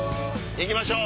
行きましょう！